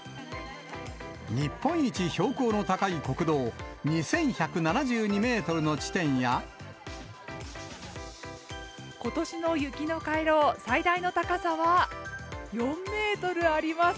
日本一標高の高い国道、２１７２メートルの地点や、ことしの雪の回廊、最大の高さは４メートルあります。